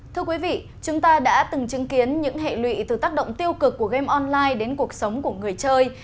thưa quý vị chúng ta đã từng chứng kiến những hệ lụy từ tác động tiêu cực của game online đến cuộc sống của người chơi